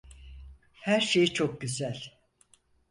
Her şey çok güzel.